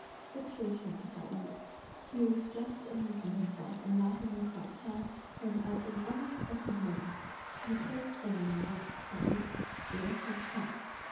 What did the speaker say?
But to return to Pao yü. He was just amusing himself and laughing with Pao ch'ai, when at an unexpected moment, he heard some one announce that Miss Shih had come.